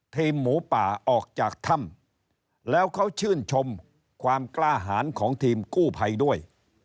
หมูป่าออกจากถ้ำแล้วเขาชื่นชมความกล้าหารของทีมกู้ภัยด้วย